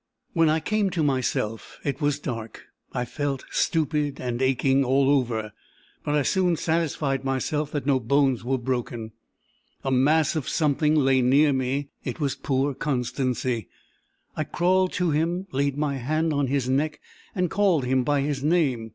When I came to myself, it was dark. I felt stupid and aching all over; but I soon satisfied myself that no bones were broken. A mass of something lay near me. It was poor Constancy. I crawled to him, laid my hand on his neck, and called him by his name.